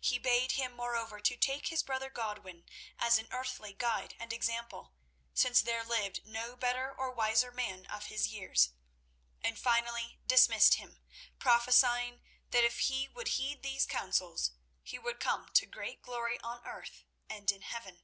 He bade him, moreover, to take his brother Godwin as an earthly guide and example, since there lived no better or wiser man of his years, and finally dismissed him, prophesying that if he would heed these counsels, he would come to great glory on earth and in heaven.